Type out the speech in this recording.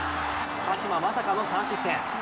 鹿島、まさかの３失点。